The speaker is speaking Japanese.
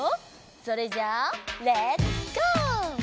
それじゃあレッツゴー！